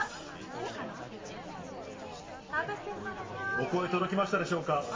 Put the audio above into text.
お声届きましたでしょうか。